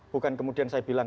bukan kemudian saya bilang